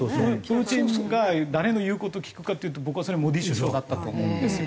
プーチンが誰の言う事を聞くかっていうと僕はそれはモディ首相だったと思うんですよ。